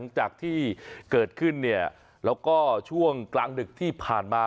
จากที่เกิดขึ้นเนี่ยแล้วก็ช่วงกลางดึกที่ผ่านมา